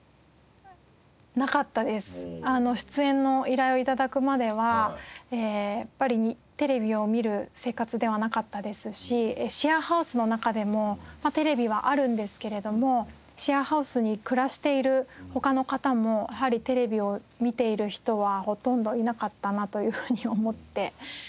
出演の依頼を頂くまではやっぱりテレビを見る生活ではなかったですしシェアハウスの中でもテレビはあるんですけれどもシェアハウスに暮らしている他の方もやはりテレビを見ている人はほとんどいなかったなというふうに思っています。